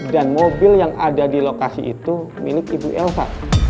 dan mobil yang ada di lokasi itu milik ibu elsa